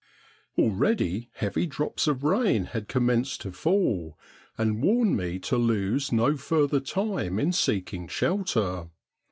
Already heavy drops of rain had commenced to fall, and warned me to lose no further time in seeking shelter.